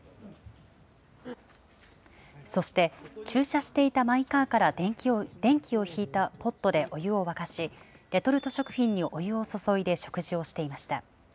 そして駐車していたマイカーから電気を引いたポットでお湯を沸かし、レトルト食品にお湯を注いで食事をしていました。